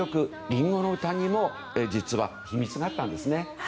「リンゴの唄」にも実は秘密があったんですね。